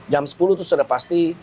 jam sepuluh sudah pasti